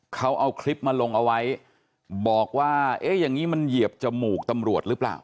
เขาเอาคลิปมาลงเอาไว้บอกว่าเอ๊ะอย่างนี้มันเหยียบจมูกตำรวจหรือเปล่า